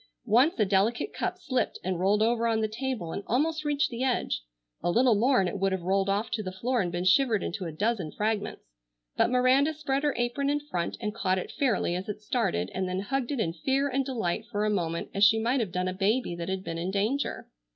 Once a delicate cup slipped and rolled over on the table and almost reached the edge. A little more and it would have rolled off to the floor and been shivered into a dozen fragments, but Miranda spread her apron in front and caught it fairly as it started and then hugged it in fear and delight for a moment as she might have done a baby that had been in danger.